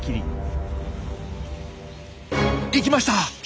いきました！